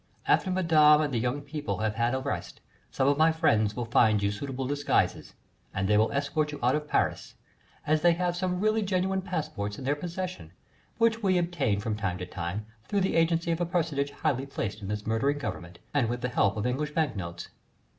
"After Madame and the young people have had a rest some of my friends will find you suitable disguises, and they will escort you out of Paris, as they have some really genuine passports in their possession, which we obtain from time to time through the agency of a personage highly placed in this murdering Government, and with the help of English banknotes.